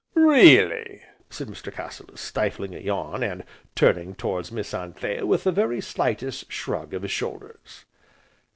"Really?" said Mr. Cassilis, stifling a yawn, and turning towards Miss Anthea with the very slightest shrug of his shoulders.